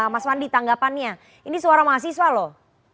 mas wandi tanggapannya ini suara mas iswa loh